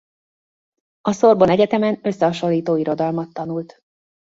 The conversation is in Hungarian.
A Sorbonne Egyetemen összehasonlító irodalmat tanult.